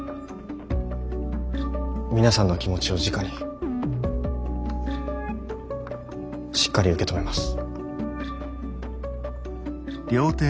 皆さんの気持ちをじかにしっかり受け止めます。